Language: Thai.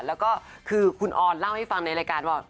แล้วก็คือคุณออนเล่าให้ฟังในรายการว่า